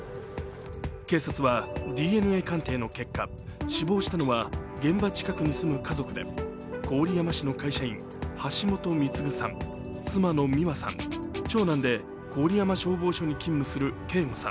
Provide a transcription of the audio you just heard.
警察はＤＮＡ鑑定の結果、死亡したのは現場近くに住む家族で郡山市の会社員・橋本貢さん、妻の美和さん、長男で郡山消防署に勤務する啓吾さん